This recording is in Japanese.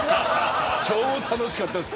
超楽しかったです。